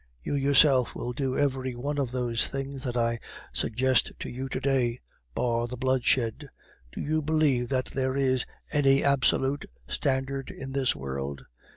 You yourself will do every one of those things that I suggest to you to day, bar the bloodshed. Do you believe that there is any absolute standard in this world?